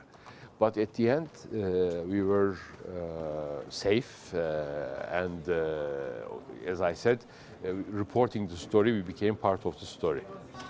tapi pada akhirnya kita aman dan seperti yang saya katakan menerima kisah ini menjadi bagian dari kisah ini